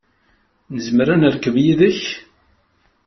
Nezmer ad nerkeb yid-k?